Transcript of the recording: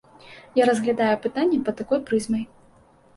Я разглядаю пытанне пад такой прызмай.